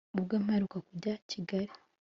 ubwo mperuka kujya kigali